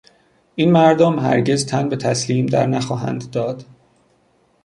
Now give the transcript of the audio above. این مردم هرگز تن به تسلیم درنخواهند داد.